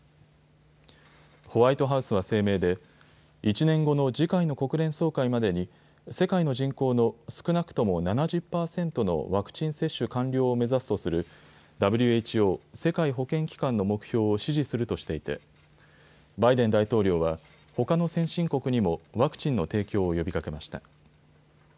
ホワイトハウスは声明で１年後の次回の国連総会までに世界の人口の少なくとも７０％のワクチン接種完了を目指すとするＷＨＯ・世界保健機関の目標を支持するとしていてバイデン大統領は、ほかの先進国にもワクチンの提供を呼びかけました。